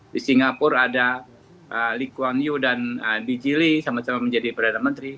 di singapura ada lee kuan yew dan bee jee lee sama sama menjadi perdana menteri